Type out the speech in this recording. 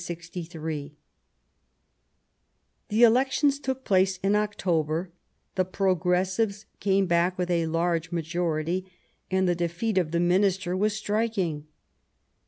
i' The elections took place in October ; the Pro gressives came back with a big majority, and the defeat of the Minister was striking.